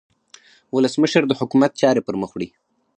ولسمشر د حکومت چارې پرمخ وړي.